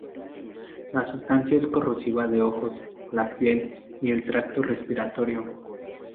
La sustancia es corrosiva de los ojos, la piel y el tracto respiratorio.